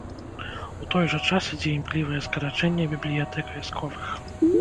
У той жа час ідзе імклівае скарачэнне бібліятэк вясковых.